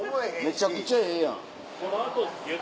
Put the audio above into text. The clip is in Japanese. めちゃくちゃええやん。